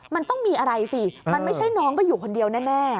มันต้องมีอะไรสิมันไม่ใช่น้องก็อยู่คนเดียวแน่